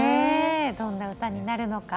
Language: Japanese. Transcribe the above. どんな歌になるのか。